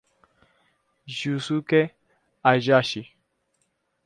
Yusuke Hayashi